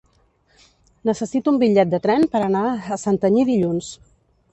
Necessito un bitllet de tren per anar a Santanyí dilluns.